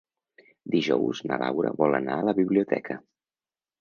Dijous na Laura vol anar a la biblioteca.